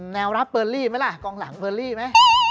แววรับเบอร์รี่ไหมล่ะกองหลังเบอร์ลี่ไหม